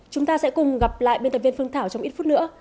chúng ta sẽ cùng gặp lại biên tập viên phương thảo trong ít phút nữa